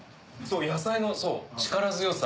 野菜の力強さ。